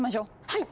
はい！